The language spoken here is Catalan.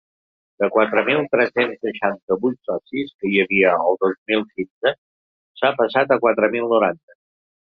De quatre mil tres-cents seixanta-vuit socis que hi havia el dos mil quinze s’ha passat a quatre mil noranta.